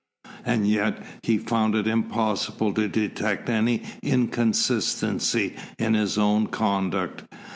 And yet, he found it impossible to detect any inconsistency in his own conduct.